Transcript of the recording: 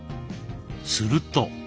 すると。